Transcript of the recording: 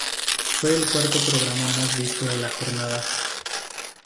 Fue el cuarto programa más visto de la jornada.